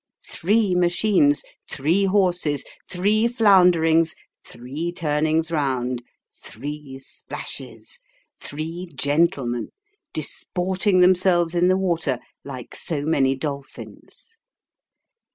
Three machines three horses three flounderings three turnings round three splashes three gentlemen, disporting themselves in the water like so many dolphins.